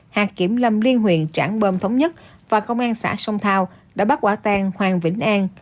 hạ kiểm lâm liên huyện tráng bom thống nhất và công an xã sông thao đã bắt quả tan hoàng vĩnh an